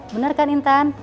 bener kan intan